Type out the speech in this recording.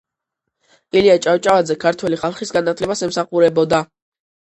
ილია ჭავჭავაძე ქართველი ხალხის განათლებას ემსახურებოდა.